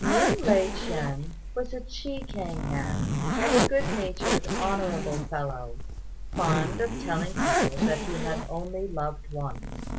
Ning Lai ch'ên was a Chekiang man, and a good natured, honourable fellow, fond of telling people that he had only loved once.